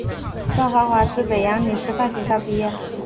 赵懋华自北洋女师范学校毕业。